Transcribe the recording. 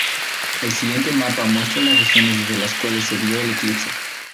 El siguiente mapa muestra las regiones desde las cuales se vio el eclipse.